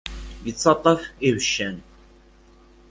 Ittaṭṭaf ibeccan.